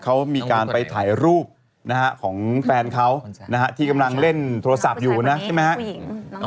เขามีการไปถ่ายรูปของแฟนเขาที่กำลังเล่นโทรศัพท์อยู่นะใช่ไหมครับ